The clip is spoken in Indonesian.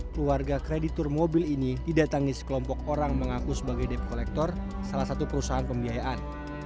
keluarga kreditur mobil ini didatangi sekelompok orang mengaku sebagai dep kolektor salah satu perusahaan pembiayaan